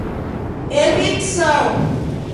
evicção